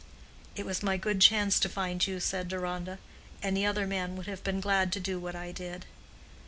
"It was my good chance to find you," said Deronda. "Any other man would have been glad to do what I did."